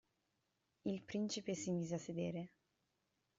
Il principe si mise a sedere.